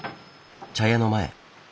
茶屋の前。